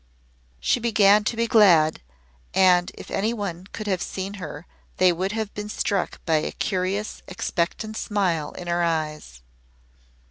She began to be glad, and if any one could have seen her they would have been struck by a curious expectant smile in her eyes.